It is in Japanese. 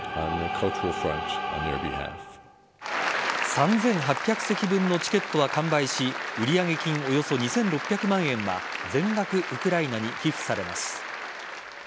３８００席分のチケットは完売し売上金およそ２６００万円は全額ウクライナに寄付されます。